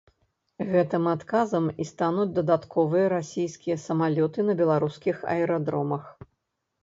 Гэтым адказам і стануць дадатковыя расійскія самалёты на беларускіх аэрадромах.